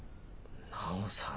奈央さん